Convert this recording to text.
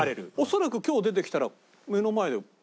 恐らく今日出てきたら目の前で。